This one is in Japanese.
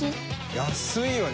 安いよね？